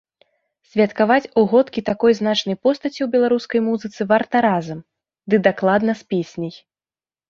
Святкаваць угодкі такой значнай постаці ў беларускай музыцы варта разам, ды дакладна з песняй.